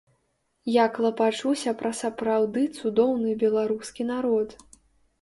Я клапачуся пра сапраўды цудоўны беларускі народ.